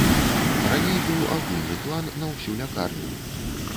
Раней быў агульны план на ўсю лякарню.